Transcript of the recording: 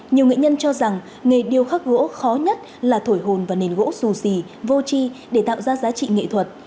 nhiều nghệ nhân cho rằng nghề điêu khắc gỗ khó nhất là thổi hồn vào nền gỗ sù xì vô chi để tạo ra giá trị nghệ thuật